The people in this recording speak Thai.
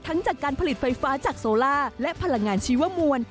จากการผลิตไฟฟ้าจากโซล่าและพลังงานชีวมวล